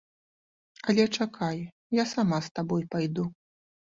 Але чакай, я сама з табой пайду.